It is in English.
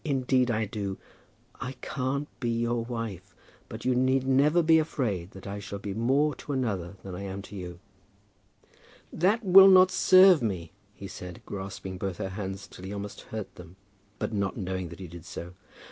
Indeed I do. I can't be your wife, but you need never be afraid that I shall be more to another than I am to you." "That will not serve me," he said, grasping both her hands till he almost hurt them, but not knowing that he did so.